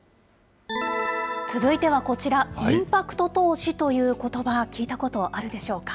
続いてはこちら、インパクト投資ということば、聞いたことあるでしょうか。